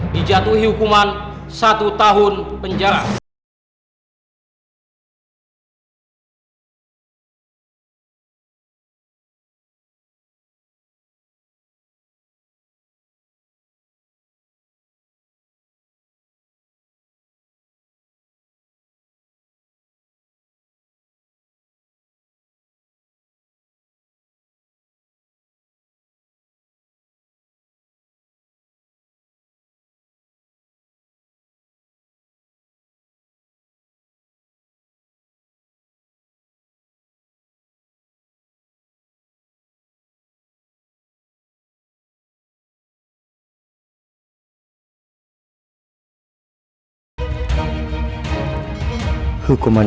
dijatuhi hukuman satu tahun penjara